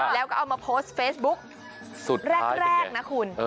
แล้วก็เอามาโพสต์เฟซบุ๊กสุดแรกนะคุณ